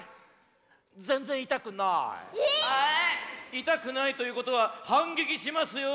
えっ⁉いたくないということははんげきしますよ。